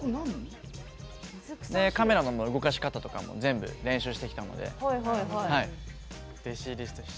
カメラの動かし方とかも全部、練習してきたので。